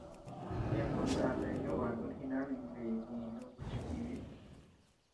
Tiempo ndataa ñobákun jinanuñ beeye ñéʼeñ nuku chit-íbi.